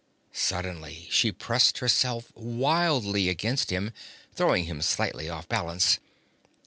Suddenly she pressed herself wildly against him, throwing him slightly off balance.